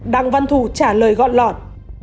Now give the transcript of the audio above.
đặng văn thủ trả lời gọn lọt